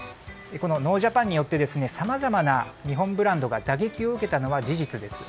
このノージャパンによってさまざまな日本ブランドが打撃を受けたのは事実です。